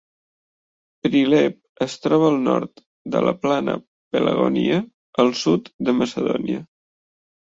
Prilep es troba al nord de la plana Pelagonia, al sud de Macedònia.